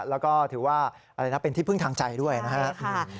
แล้วก็ถือว่าเป็นที่พึ่งทางใจด้วยนะครับ